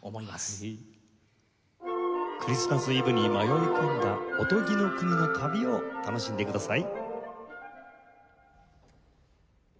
クリスマス・イブに迷い込んだおとぎの国の旅を楽しんでください。